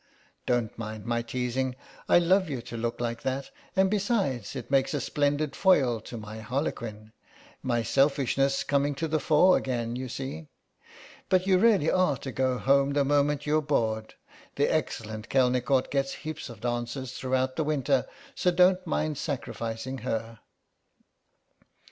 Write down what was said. Don't mind my teasing; I love you to look like that, and besides, it makes a splendid foil to my Harlequin—my selfishness coming to the fore again, you see. But you really are to go home the moment you're bored; the excellent Kelnicort gets heaps of dances throughout the winter, so don't mind sacrificing her."